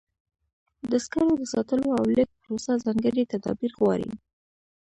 د سکرو د ساتلو او لیږد پروسه ځانګړي تدابیر غواړي.